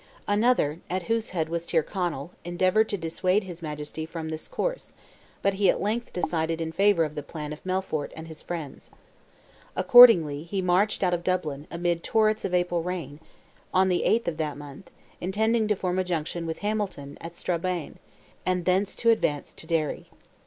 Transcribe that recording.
Another, at whose head was Tyrconnell, endeavoured to dissuade his Majesty from this course, but he at length decided in favour of the plan of Melfort and his friends. Accordingly, he marched out of Dublin, amid torrents of April rain, on the eighth of that month, intending to form a junction with Hamilton, at Strabane, and thence to advance to Derry.